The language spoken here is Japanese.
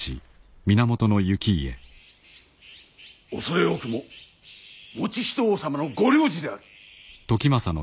畏れ多くも以仁王様の御令旨である。